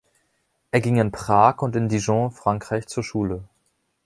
Er ging in Prag und in Dijon, Frankreich, zur Schule.